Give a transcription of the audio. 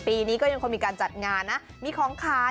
ปีนี้ก็ยังคงมีการจัดงานนะมีของขาย